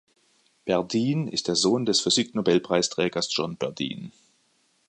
Bardeen ist der Sohn des Physik-Nobelpreisträgers John Bardeen.